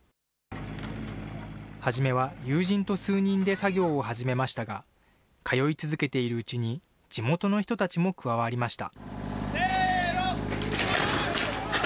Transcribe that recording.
初めは友人と数人で作業を始めましたが、通い続けているうちに、地元の人たちも加わりました。